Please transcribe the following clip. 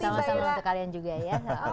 sama sama untuk kalian juga ya